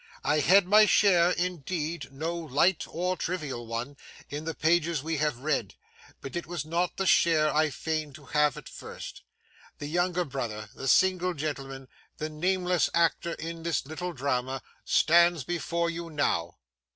I had my share, indeed,—no light or trivial one,—in the pages we have read, but it was not the share I feigned to have at first. The younger brother, the single gentleman, the nameless actor in this little drama, stands before you now.